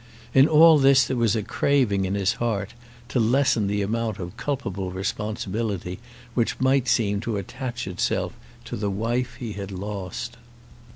In all this there was a craving in his heart to lessen the amount of culpable responsibility which might seem to attach itself to the wife he had lost.